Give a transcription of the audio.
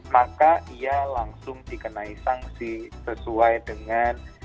maka ia langsung dikenai sanksi sesuai dengan